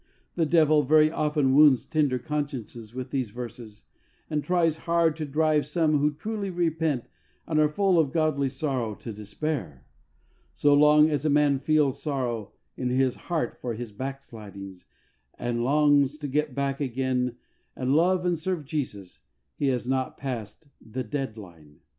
The devil very often wounds tender consciences with these verses, and tries hard to drive some who truly repent and are full of Godly sorrow to despair. So long as a man feels sorrow in his heart for his back slidings and longs to get back again and love and serve Jesus, he has not passed " the dead line."